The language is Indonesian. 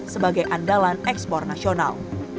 sebagai andalan ekspor nasional